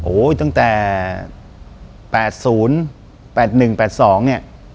โอ้โหตั้งแต่๘๐๘๑๘๒เนี่ย